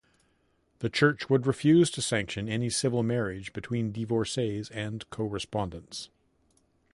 The Church would refuse to sanction any civil marriage between divorcees and co-respondents.